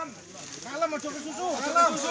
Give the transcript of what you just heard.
kalem mau coba susu